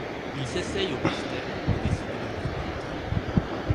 Il s'essaye au pastel et décide de devenir peintre.